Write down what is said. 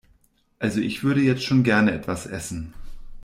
Also ich würde jetzt schon gerne etwas essen.